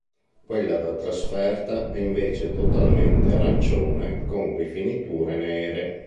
Quella da trasferta è invece totalmente arancione con rifiniture nere.